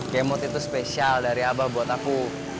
gamot itu spesial dari abah buat aku